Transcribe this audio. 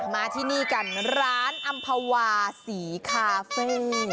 มาที่นี่กันร้านอำภาวาศรีคาเฟ่